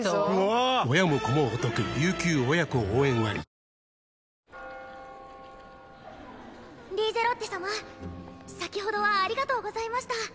カーンリーゼロッテ様先ほどはありがとうございました。